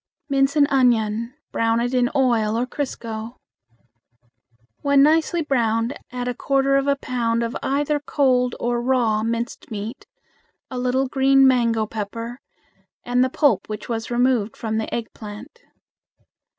Mince an onion, brown it in oil or crisco. When nicely browned, add a quarter of a pound of either cold or raw minced meat, a little green mango pepper, and the pulp which was removed from the eggplant.